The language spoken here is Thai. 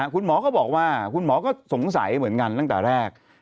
คุณหมอก็บอกว่าคุณหมอก็สงสัยเหมือนกันตั้งแต่แรก